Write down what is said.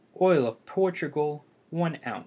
Oil of Portugal 1 oz.